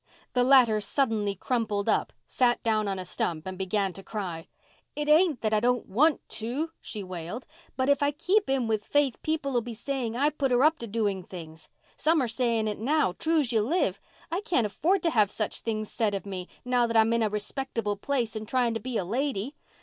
The latter suddenly crumpled up, sat down on a stump and began to cry. "It ain't that I don't want to," she wailed. "But if I keep in with Faith people'll be saying I put her up to doing things. Some are saying it now, true's you live. I can't afford to have such things said of me, now that I'm in a respectable place and trying to be a lady.